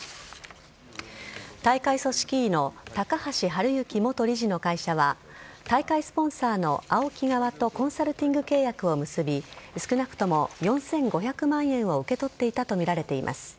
大会組織委の高橋治之元理事の会社は、大会スポンサーのＡＯＫＩ側とコンサルティング契約を結び、少なくとも４５００万円を受け取っていたと見られています。